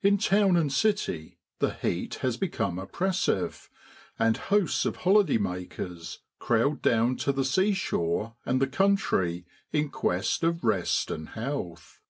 In town and city the heat has become oppressive, and hosts of holiday makers crowd down to the sea shore and the country in quest of rest and health.